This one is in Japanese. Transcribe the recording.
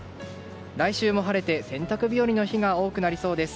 来週も晴れて洗濯日和の日が多くなりそうです。